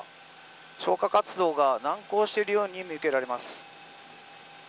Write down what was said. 消火活動が難航しているように見受けられます。